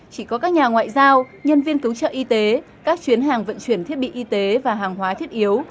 chỉ có các nhà ngoại giao nhân viên cứu trợ y tế các chuyến hàng vận chuyển thiết bị y tế và hàng hóa thiết yếu